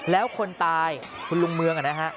แล้วคนตายคุณลุงเมืองนะฮะ